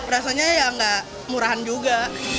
rasanya ya nggak murahan juga